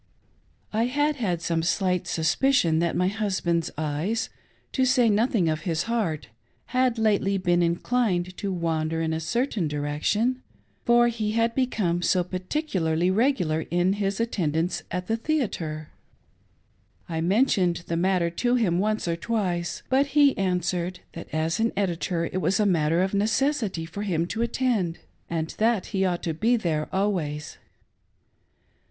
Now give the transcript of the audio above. I had had some slight suspicion that my husband's eyes, to say nothing of his heart, had lately befen inclined to wander in a certain direction, for he had become so particularly regular in his attendance at the theatre. I mentioned the matter to him once or twice, but he answered, that as an edi tor it was a matter of necessity for him to attend, and that he ought to be there always.